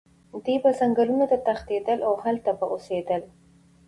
دوی به ځنګلونو ته تښتېدل او هلته به اوسېدل.